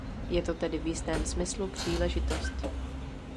Je to tedy v jistém smyslu příležitost.